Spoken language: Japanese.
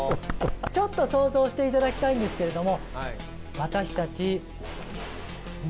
ちょっと想像して頂きたいんですけれどもはい。